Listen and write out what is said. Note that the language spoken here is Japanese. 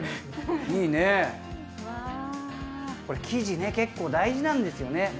生地ね、結構、大事なんですよね。